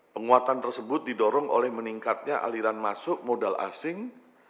penguatan tersebut didorong oleh meningkatnya aliran masuk modal asing